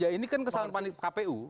ini kan kesalahan kpu